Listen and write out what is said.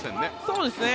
そうですね。